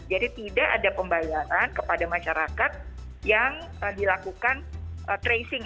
jadi tidak ada pembayaran kepada masyarakat yang dilakukan tracing